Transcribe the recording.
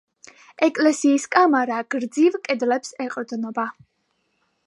ეკლესიის კამარა გრძივ კედლებს ეყრდნობა.